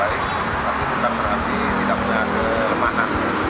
tapi kita berhenti tidak punya kelemanan